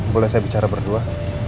boleh saya bicara berdua